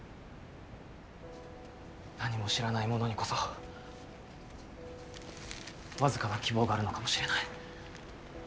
何も知らない者にこそ僅かな希望があるのかもしれない。